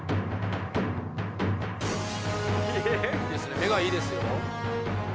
目がいいですよ。